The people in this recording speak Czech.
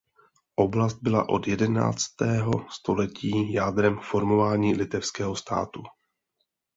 Oblast byla od jedenáctého století jádrem formování litevského státu.